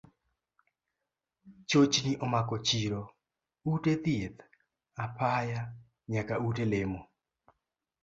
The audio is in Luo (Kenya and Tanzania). Chochni omako chiro, ute thieth, apaya nyaka ute lemo.